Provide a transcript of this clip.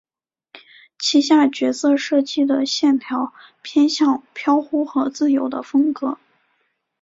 旗下角色设计的线条偏向飘忽和自由的风格。